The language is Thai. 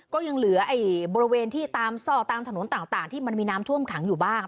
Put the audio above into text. ก็ยังเหลือบริเวณที่ตามซ่อตามถนนต่างที่มันมีน้ำท่วมขังอยู่บ้าง